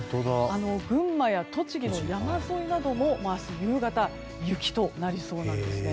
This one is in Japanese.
群馬や栃木の山沿いなど明日夕方雪となりそうなんです。